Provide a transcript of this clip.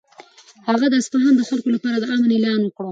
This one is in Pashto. هغه د اصفهان د خلکو لپاره د امن اعلان وکړ.